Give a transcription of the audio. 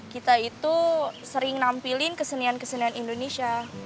kita itu sering nampilin kesenian kesenian indonesia